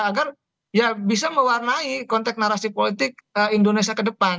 agar ya bisa mewarnai konteks narasi politik indonesia ke depan